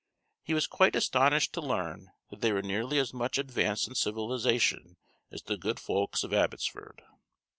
He was quite astonished to learn that they were nearly as much advanced in civilization as the gude folks of Abbotsford.